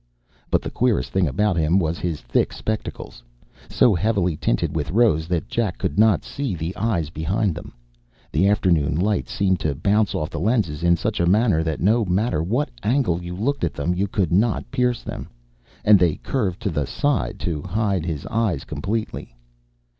But the queerest thing about him was his thick spectacles, so heavily tinted with rose that Jack could not see the eyes behind them. The afternoon light seemed to bounce off the lenses in such a manner that no matter what angle you looked at them, you could not pierce them. And they curved to hide the sides of his eyes completely.